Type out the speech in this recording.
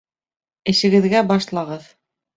Эшегеҙгә башлағыҙ